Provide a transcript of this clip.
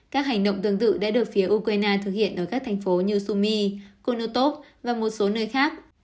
các hành động tương tự đã được phía ukraine thực hiện ở các thành phố như sumi konotov và một số nơi khác